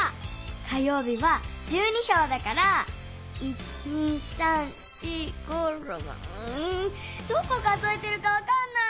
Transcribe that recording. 火よう日は１２ひょうだから１２３４５６うんどこ数えてるかわかんない！